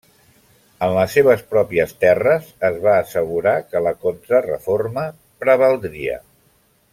En les seves pròpies terres, es va assegurar que la contrareforma prevaldria.